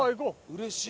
うれしい。